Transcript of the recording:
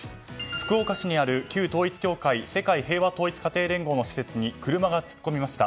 福岡市にある旧統一教会世界平和統一家庭連合の施設に車が突っ込みました。